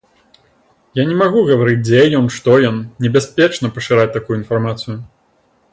Я не магу гаварыць, дзе ён, што ён, небяспечна пашыраць такую інфармацыю.